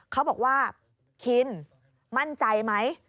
เขาบอกว่าคินมั่นใจไหม